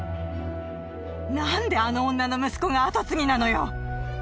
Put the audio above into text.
なんであの女の息子が跡継ぎなのよ！